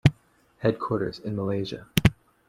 Headquarters in Malaysia.